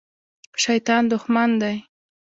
شیطان دښمن دی